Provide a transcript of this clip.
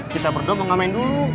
kita berdua mau ngamen dulu